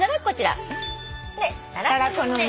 こちら。